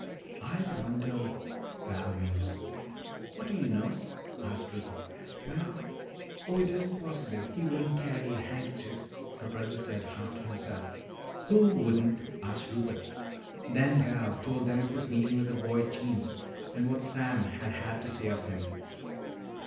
"I wonder " Val mused. "What do you know?" asked Ricky. "Well Oh, it isn't possible. He wouldn't carry a handkerchief," her brother said half to himself. "Who wouldn't?" asked Rupert. Then Val told them of his meeting with the boy Jeems and what Sam had had to say of him.